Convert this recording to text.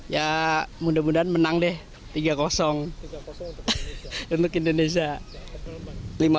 ya mudah mudahan menang deh tiga untuk indonesia